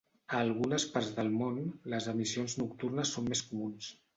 A algunes parts del món, les emissions nocturnes són més comuns.